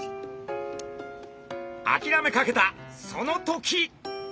あきらめかけたその時。